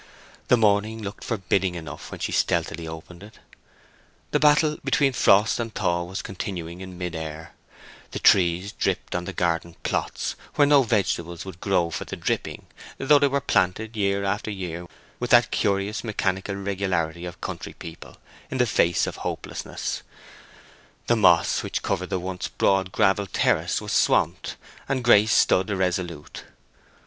The morning looked forbidding enough when she stealthily opened it. The battle between frost and thaw was continuing in mid air: the trees dripped on the garden plots, where no vegetables would grow for the dripping, though they were planted year after year with that curious mechanical regularity of country people in the face of hopelessness; the moss which covered the once broad gravel terrace was swamped; and Grace stood irresolute.